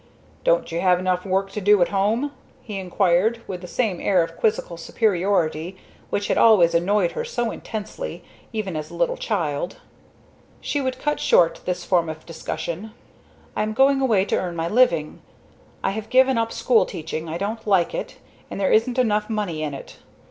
"Don't you have work enough to do at home?" he inquired, with the same air of quizzical superiority which had always annoyed her so intensely, even as a little child. She would cut short this form of discussion: "I am going away to earn my living. I have given up school teaching I don't like it, and, there isn't money enough in it.